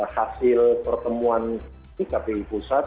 hasil pertemuan kpi pusat